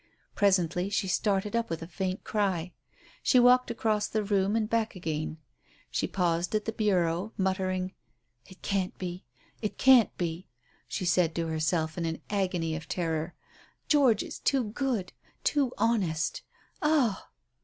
Presently she started up with a faint cry. She walked across the room and back again. She paused at the bureau, muttering "It can't be! It can't be!" she said to herself, in an agony of terror. "George is too good, too honest. Ah!"